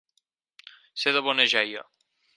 Ser de bona jeia.